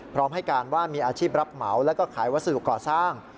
พร้อมให้การว่ามีอาชีพรับเหมาแล้วก็ขายวัสดุก่อสร้าง